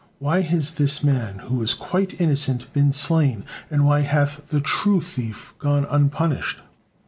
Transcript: Why has this man, who was quite innocent, been slain, and why hath the true thief gone unpunished?"